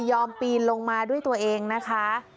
ปีนลงมาด้วยตัวเองนะคะ